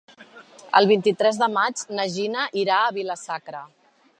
El vint-i-tres de maig na Gina irà a Vila-sacra.